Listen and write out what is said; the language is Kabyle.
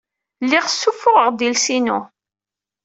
Lliɣ ssuffuɣeɣ-d iles-inu.